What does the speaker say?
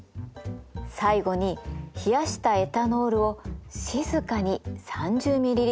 最後に冷やしたエタノールを静かに３０ｍＬ加えます。